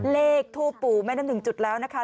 เลขทูปปู่แม่นั้น๑จุดแล้วนะคะ